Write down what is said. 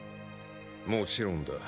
もちろんだ。